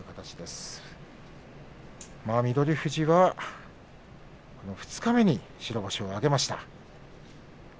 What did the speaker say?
翠富士は二日目に白星を挙げました。